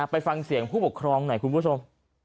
ไปฟังเสียงผู้ปกครองหน่อยคุณผู้ชม